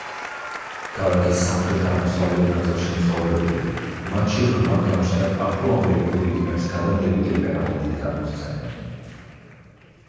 ქალაქის სამხრეთ-აღმოსავლეთ ნაწილში მცხოვრებლები მათში ღრმად გამჯდარ აფრო-ამერიკულ რიტმებს გადამდები ტემპერამენტით გადმოსცემენ.